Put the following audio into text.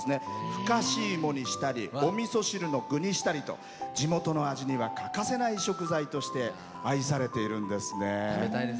ふかし芋にしたりおみそ汁の具にしたり地元の味には欠かせない食材として愛されているんですね。